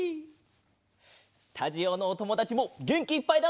スタジオのおともだちもげんきいっぱいだね！